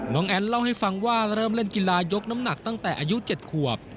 แอ้นเล่าให้ฟังว่าเริ่มเล่นกีฬายกน้ำหนักตั้งแต่อายุ๗ขวบ